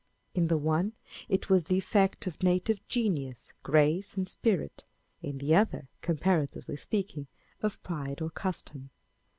In the one it was the effect of native genius, grace, and spirit ; in the other, comparatively speaking, of pride or custom.